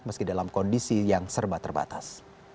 meski dalam kondisi yang serba terbatas